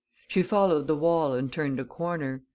She followed the wall and turned a corner.